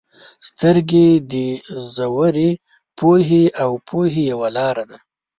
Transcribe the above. • سترګې د ژورې پوهې او پوهې یو لار ده.